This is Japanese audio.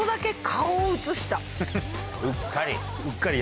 うっかり。